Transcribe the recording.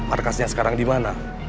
arkasnya sekarang dimana